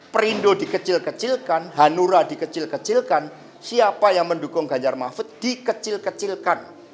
perindo dikecil kecilkan hanura dikecil kecilkan siapa yang mendukung ganjar mahfud dikecil kecilkan